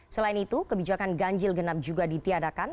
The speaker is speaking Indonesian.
selain itu kebijakan ganjil genap juga ditiadakan